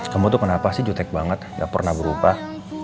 kamu tuh kenapa sih jutek banget gak pernah berubah